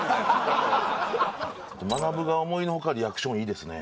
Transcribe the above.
あとまなぶが思いのほかリアクションいいですね